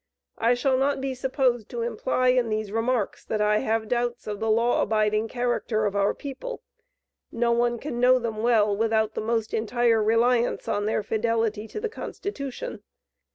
I shall not be supposed to imply in these remarks, that I have doubts of the law abiding character of our people. No one can know them well, without the most entire reliance on their fidelity to the constitution.